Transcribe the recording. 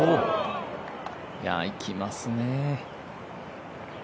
いきますね。